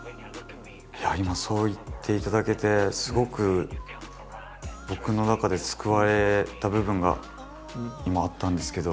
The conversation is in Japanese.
今そう言っていただけてすごく僕の中で救われた部分が今あったんですけど。